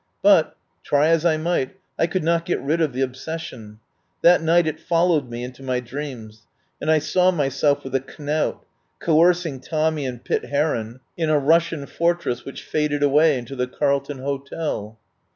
But, try as I might, I could not get rid of the obsession. That night it followed me into my dreams, and I saw myself with a knout coercing Tommy and Pitt Heron in a 25 THE POWER HOUSE Russian fortress which faded away into the Carlton Hotel.